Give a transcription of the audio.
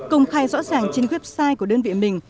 công khai rõ ràng trên website của đơn vị mình